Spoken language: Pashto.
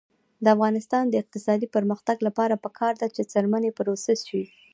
د افغانستان د اقتصادي پرمختګ لپاره پکار ده چې څرمنې پروسس شي.